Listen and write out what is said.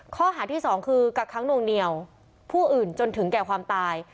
ข้อหาที่สองคือกักค้างนวงเหนียวผู้อื่นจนถึงแก่ความตาย